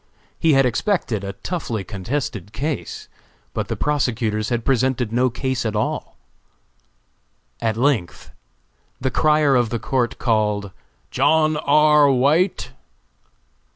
He had expected a toughly contested case, but the prosecutors had presented no case at all. At length, the crier of the court called "John R. White."